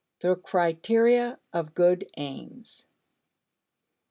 The Criteria of Good Aims.